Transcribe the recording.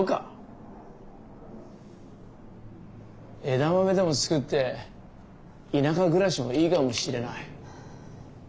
枝豆でも作って田舎暮らしもいいかもしれない。